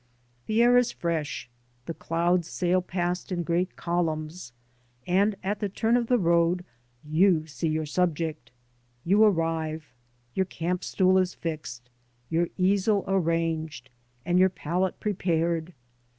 The air is fresh, the clouds sail past in great columns, and at the turn of the road you see your subject! You arrive, your camp stool is fixed, your easel arranged and your palette prepared.